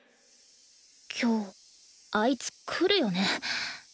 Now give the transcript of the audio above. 今日あいつ来るよね？